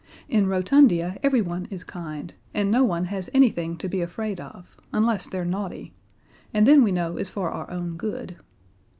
In Rotundia everyone is kind, and no one has anything to be afraid of, unless they're naughty; and then we know it's for our own good.